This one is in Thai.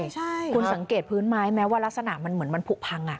แล้วคุณสังเกตพื้นไม้แม้ว่ารักษณะเหมือนพูกพัง